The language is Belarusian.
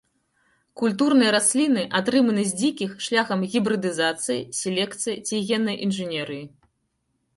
Культурныя расліны атрыманы з дзікіх шляхам гібрыдызацыі, селекцыі ці геннай інжынерыі.